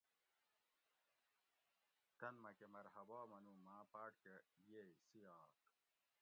تن مکہ مرحبا منو ماں پاۤٹ کہ ییئی صِحات